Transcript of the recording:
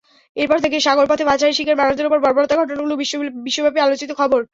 এরপর থেকে সাগরপথে পাচারের শিকার মানুষদের ওপর বর্বরতার ঘটনাগুলো বিশ্বব্যাপী আলোচিত খবর।